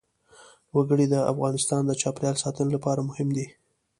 وګړي د افغانستان د چاپیریال ساتنې لپاره مهم دي.